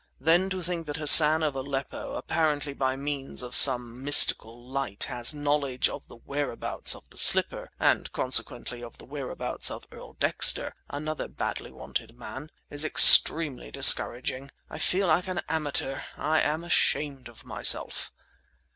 Then to think that Hassan of Aleppo, apparently by means of some mystical light, has knowledge of the whereabouts of the slipper and consequently of the whereabouts of Earl Dexter (another badly wanted man) is extremely discouraging! I feel like an amateur; I'm ashamed of myself!"